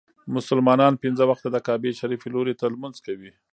مسلمانان پنځه وخته د کعبې شريفي لوري ته لمونځ کوي.